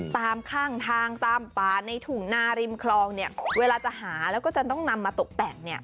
ตามข้างทางตามป่าในถุงนาริมคลองเนี่ยเวลาจะหาแล้วก็จะต้องนำมาตกแต่งเนี่ย